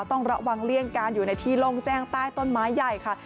ต้องระวังเลี่ยงการอยู่ในที่โล่งแจ้งใต้ต้นไม้ใหญ่ค่ะ